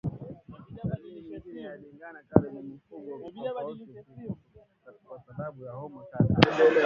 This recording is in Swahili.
Dalili nyingine ya ndigana kali ni mfugo kutafuta kivuli kwa sababu ya homa kali